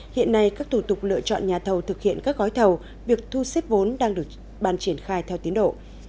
hiện nay các thủ tục lựa chọn nhà thầu thực hiện các gói thầu việc thu xếp vốn đang được ban triển khai theo tiến độ